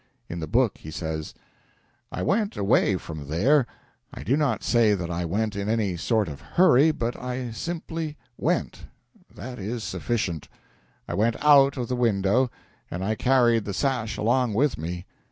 In the book he says: "I went away from there. I do not say that I went in any sort of hurry, but I simply went that is sufficient. I went out of the window, and I carried the sash along with me.